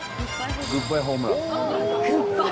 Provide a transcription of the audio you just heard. グッバイホームラン。